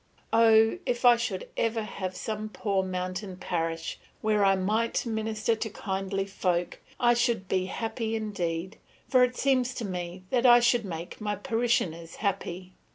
Oh! if I should ever have some poor mountain parish where I might minister to kindly folk, I should be happy indeed; for it seems to me that I should make my parishioners happy.